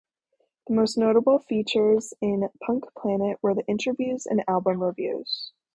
The most notable features in "Punk Planet" were the interviews and album reviews.